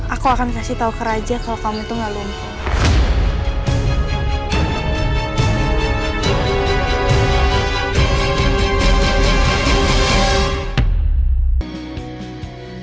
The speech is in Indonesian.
aku akan kasih tahu ke raja kalau kamu tuh gak lumpuh